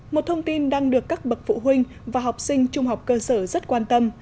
một thông tin đang được các bậc phụ huynh và học sinh trung học cơ sở rất quan tâm